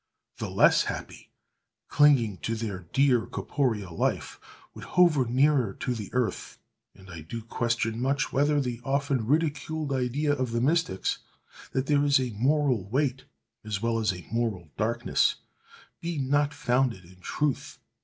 The less happy, clinging to their dear corporeal life, would hover nearer to the earth; and I do question much whether the often ridiculed idea of the mystics, that there is a moral weight, as well as a moral darkness, be not founded in truth.